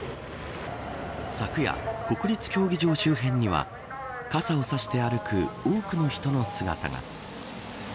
昨夜、国立競技場周辺には傘を差して歩く多くの人の姿が。